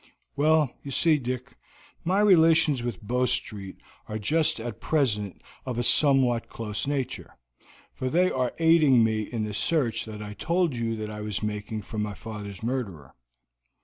"Well, you see, Dick, my relations with Bow Street are just at present of a somewhat close nature, for they are aiding me in the search that I told you that I was making for my father's murderer.